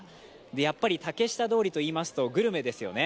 やっぱり竹下通りといいますとグルメですよね。